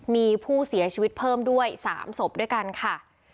มีผู้เสียชีวิตเพิ่มด้วย๓ศพด้วยกันค่ะ